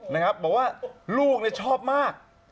นะครับบอกว่าลูกชอบมาก